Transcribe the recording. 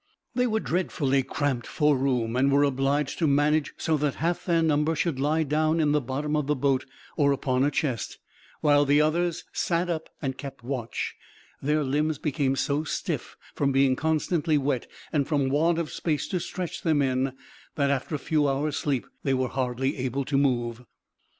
They were dreadfully cramped for room, and were obliged to manage so that half their number should lie down in the bottom of the boat or upon a chest, while the others sat up and kept watch; their limbs became so stiff from being constantly wet, and from want of space to stretch them in, that after a few hours' sleep they were hardly able to move.